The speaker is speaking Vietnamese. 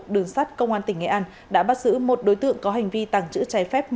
đường sát công an tỉnh nghệ an đã bắt giữ một đối tượng có hành vi tàng trữ trái phép